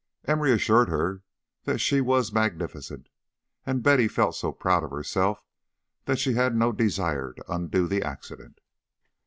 Emory assured her that she was magnificent, and Betty felt so proud of herself that she had no desire to undo the accident.